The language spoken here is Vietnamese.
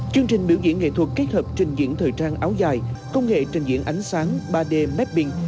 chương trình biểu diễn nghệ thuật kết hợp trình diễn thời trang áo dài công nghệ trình diễn ánh sáng ba d mapping